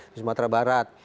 di sumatera barat